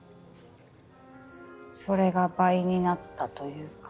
それが倍になったというか。